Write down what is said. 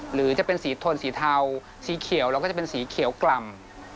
หรือจะเป็นสีทนสีเทาสีเขียวแล้วก็จะเป็นสีเขียวกล่ำ